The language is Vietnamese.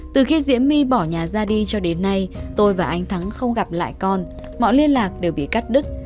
từ khi diễm my bỏ nhà ra đi cho đến nay tôi và anh thắng không gặp lại con mọi liên lạc đều bị cắt đứt